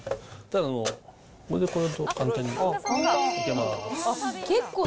これでこうやると簡単にいけます。